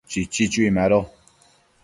Chichi chui ma chono